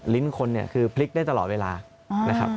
คนเนี่ยคือพลิกได้ตลอดเวลานะครับ